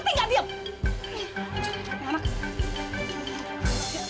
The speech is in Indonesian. berarti nggak diam